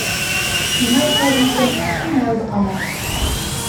Мындай окуядан соң ким мени аялдыкка алат?